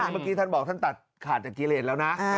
เมื่อกี้ท่านบอกท่านตัดขาดจากกิเลสแล้วนะ